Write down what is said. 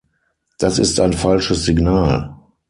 Das ist ein falsches Signal.